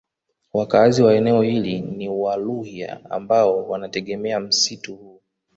Wakaazi wa eneo hili ni Waluhya ambao wanategemea msitu huu